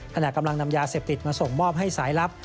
ขณะกำลังนำยาเสพติดมาส่งมอบให้สายลับ